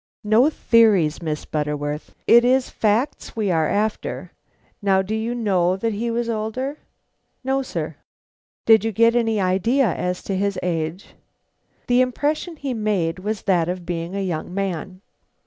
"No theories, Miss Butterworth; it is facts we are after. Now, do you know that he was older?" "No, sir." "Did you get any idea as to his age?" "The impression he made was that of being a young man."